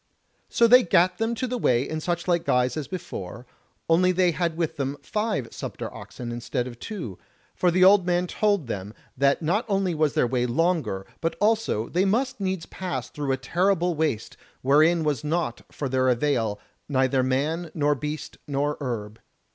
So they gat them to the way in suchlike guise as before, only they had with them five sumpter oxen instead of two; for the old man told them that not only was their way longer, but also they must needs pass through a terrible waste, wherein was naught for their avail, neither man, nor beast, nor herb.